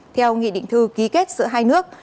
theo nghị định thư ký kết giữa hai nước